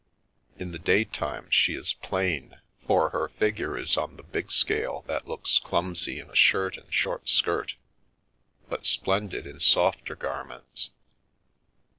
In the daytime she is plain, for her The Milky Way figure is on the big scale that looks clumsy in a shirt and short skirt, but splendid in softer garments.